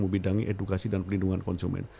membidangi edukasi dan pelindungan konsumen